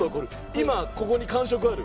今ここに感触ある？